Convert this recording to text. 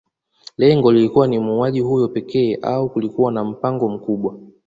Lengo lilikuwa ni mauaji hayo pekee au kulikuwa na mpango mkubwa